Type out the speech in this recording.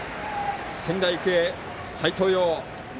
仙台育英、斎藤蓉